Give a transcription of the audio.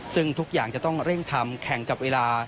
ซึ่งทุกอย่างจะต้องเร่งทำแข่งกับเวลา